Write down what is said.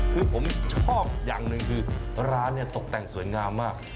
คือผมชอบอย่างหนึ่งคือร้านเนี่ยตกแต่งสวยงามมาก